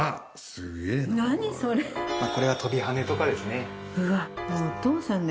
これは飛び跳ねとかですね。